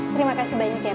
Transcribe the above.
terima kasih banyak ya pak